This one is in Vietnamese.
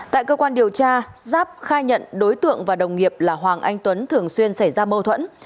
tại cơ quan điều tra giáp khai nhận đối tượng và đồng nghiệp là hoàng anh tuấn thường xuyên xảy ra mâu thuẫn